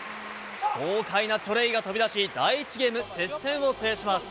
豪快なチョレイが飛び出し、第１ゲーム、接戦を制します。